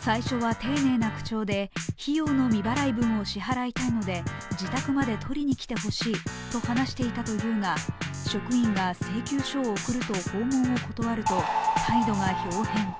最初は丁寧な口調で費用の未払い分を支払いたいので自宅まで取りにきてほしいと話していたというが、職員が請求書を送ると、訪問を断ると態度がひょう変。